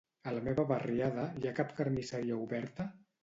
A la meva barriada hi ha cap carnisseria oberta?